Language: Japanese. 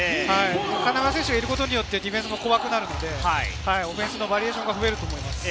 金丸選手がいることによってディフェンスも怖くなるので、オフェンスのバリエーションが増えると思います。